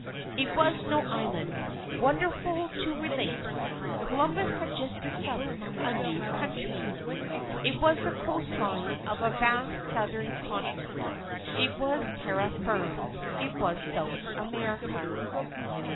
It was no island. Wonderful to relate, Columbus had just discovered a new Country. It was the coastline of a vast southern continent. It was Tierra Firme. It was South America!